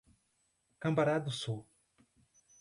Cambará do Sul